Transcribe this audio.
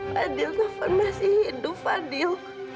taufan masih hidup fadil